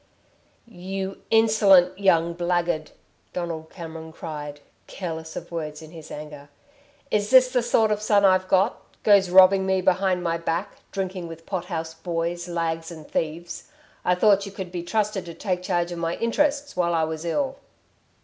"You insolent young blackguard!" Donald Cameron cried, careless of words in his anger. "Is this the sort of son I've got goes robbing me behind my back, drinking with pothouse boys, lags and thieves? I thought you could be trusted to take charge of my interests while I was ill."